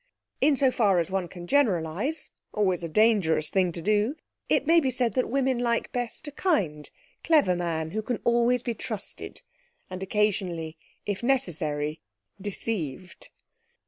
In so far as one can generalise (always a dangerous thing to do) it may be said that women like best a kind, clever man who can be always trusted; and occasionally (if necessary) deceived.